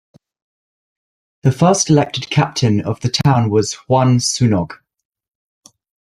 The first elected Captain of the town was Juan Sunog.